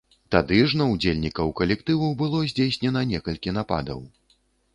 Тады ж на ўдзельнікаў калектыву было здзейснена некалькі нападаў.